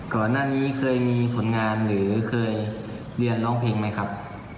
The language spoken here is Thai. ก่อนหน้านี้เคยมีผลงานหรือเคยเรียนร้องเพลงไหมครับ